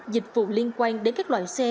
dịch vụ liên quan đến các loại xe